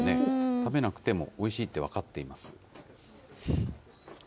食べなくても、おいしいって分かっています。